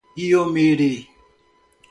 Iomerê